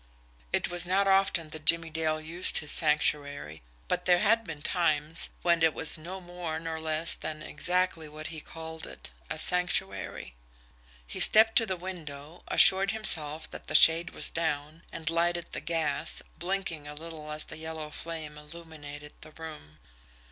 It was not often that Jimmie Dale used his Sanctuary, but there had been times when it was no more nor less than exactly what he called it a sanctuary! He stepped to the window, assured himself that the shade was down and lighted the gas, blinking a little as the yellow flame illuminated the room.